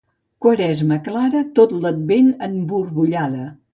Quaresma clara, tot l'Advent emborbollada.